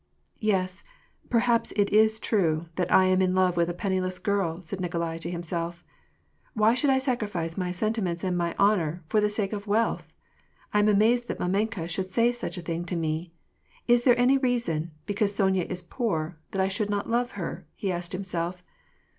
'' Yes, perhaps it is true, that I am in love with a penniless girl," said Nikolai to himself. " Why should I sacrifice my sentiments and my honor, for the sake of wealth ! I am amazed, that mdmenka should say such a thing to me ! Is there any reason, because Sonya is poor, that I should not love her ?" he asked himself.